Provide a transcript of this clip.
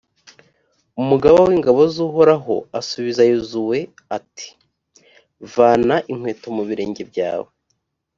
umugaba w’ingabo z’uhoraho asubiza yozuwe, ati «vana inkweto mu birenge byawe,